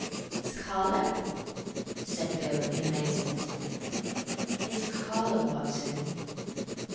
"His collar?" said Bill in amazement. "His collar, Watson."